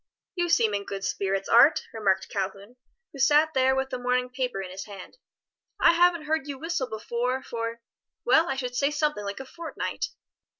"You seem in good spirits, Art," remarked Calhoun, who sat there with the morning paper in his hand. "I haven't heard you whistle before for well I should say something like a fortnight."